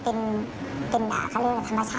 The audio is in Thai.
ก็ไม่รู้ว่าฟ้าจะระแวงพอพานหรือเปล่า